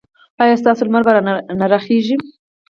ایا ستاسو لمر به را نه خېژي؟